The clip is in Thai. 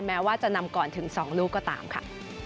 แม้ว่าจะนำก่อนถึง๒ลูกก็ตามค่ะ